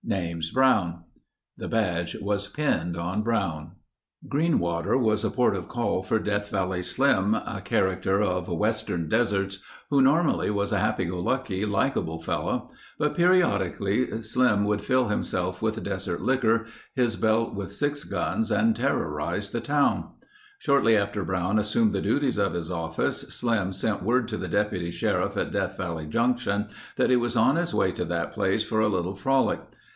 Name's Brown." The badge was pinned on Brown. Greenwater was a port of call for Death Valley Slim, a character of western deserts, who normally was a happy go lucky likable fellow. But periodically Slim would fill himself with desert likker, his belt with six guns, and terrorize the town. Shortly after Brown assumed the duties of his office, Slim sent word to the deputy sheriff at Death Valley Junction that he was on his way to that place for a little frolic.